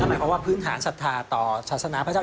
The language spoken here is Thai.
หมายความว่าพื้นฐานศรัทธาต่อศาสนาพระเจ้า